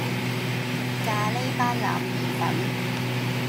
咖哩班腩意粉